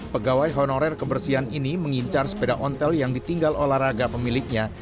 pegawai honorer kebersihan ini mengincar sepeda ontel yang ditinggal olahraga pemiliknya